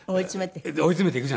追い詰めていく。